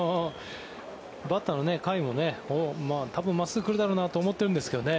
バッターの甲斐もね多分、真っすぐ来るだろうなと思ってるんですけどね